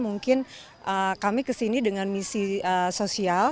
mungkin kami ke sini dengan misi sosial